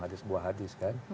hadis buah hadis kan